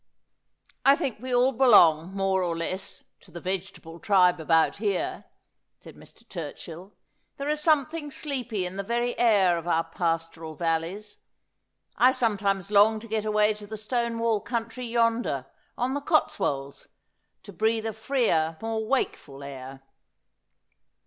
' I think we all belong, more or less, to the vegetable tribe about here,' said Mr. Turchill. ' There is something sleepy in the very air of our pastoral valleys. I sometimes long to get away to the stone wall country yonder, on the Cotswolds, to breathe a fre%r, more wakeful air.'